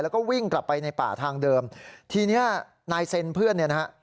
แล้วก็วิ่งกลับไปในป่าทางเดิมทีเนี้ยนายเซ็นเพื่อนเนี่ยนะฮะ